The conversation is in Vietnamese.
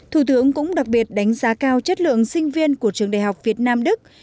thủ tướng cũng đặc biệt đánh giá cao chất lượng sinh viên của trường đại học việt nam đức